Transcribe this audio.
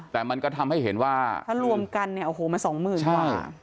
แต่มันก็ทำให้เห็นว่าถ้ารวมกันเนี่ยโอ้โหมันสองหมื่นกว่า